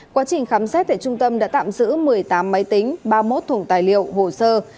quá trình khám xét tại trung tâm đã tạm giữ một mươi tám máy tính ba mươi một thùng tài liệu hồ sơ